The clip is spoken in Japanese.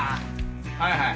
はいはい。